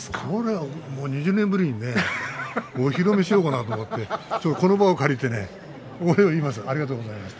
２０年ぶりにねお披露目しようかなと思ってこの場を借りてねお礼を言います。